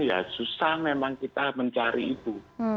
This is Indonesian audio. ya susah memang kita mencari itu